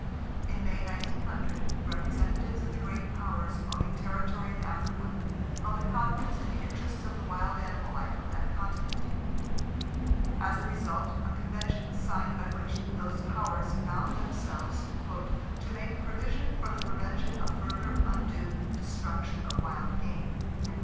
In May, 1900, representatives of the great powers owning territory in Africa held a conference in the interests of the wild animal life of that continent. As a result a Convention was signed by which those powers bound themselves "to make provision for the prevention of further undue destruction of wild game."